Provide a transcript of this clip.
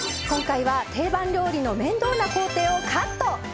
今回は定番料理の面倒な工程をカット。